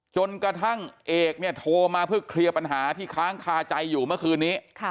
จนกระทั่งเอกเนี่ยโทรมาเพื่อเคลียร์ปัญหาที่ค้างคาใจอยู่เมื่อคืนนี้